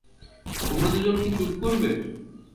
তোমরা দুজন কি চুপ করবে!